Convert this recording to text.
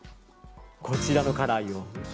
こちらのカラーよ。